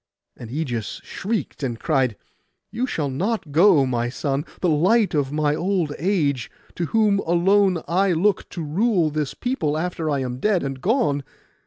And Ægeus shrieked, and cried, 'You shall not go, my son, the light of my old age, to whom alone I look to rule this people after I am dead and gone.